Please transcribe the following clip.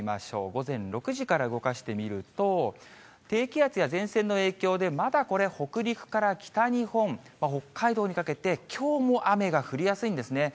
午前６時から動かしてみると、低気圧や前線の影響で、まだこれ、北陸から北日本、北海道にかけて、きょうも雨が降りやすいんですね。